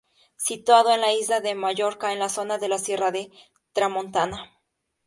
Situado en la isla de Mallorca, en la zona de la sierra de Tramontana.